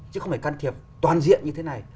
chứ không phải can thiệp toàn diện như thế này